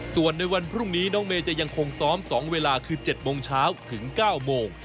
ส่วนในวันพรุ่งนี้น้องเมย์จะยังคงซ้อม๒เวลาคือ๗โมงเช้าถึง๙โมง